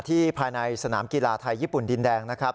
ภายในสนามกีฬาไทยญี่ปุ่นดินแดงนะครับ